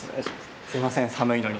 すいません寒いのに。